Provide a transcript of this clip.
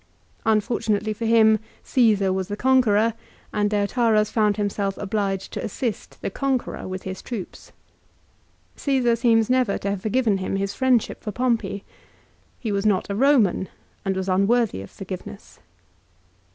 Unfortunately for him Csesar was the conqueror, and Deiotarus found himself obliged to assist the conqueror with his troops. Caesar seems never to have forgiven him his friendship for Pompey. He was not a Eoman and was unworthy of forgiveness.